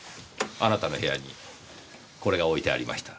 あなたの部屋にこれが置いてありました。